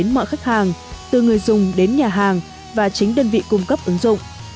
từ người dùng đến khách hàng từ người dùng đến nhà hàng và chính đơn vị cung cấp ứng dụng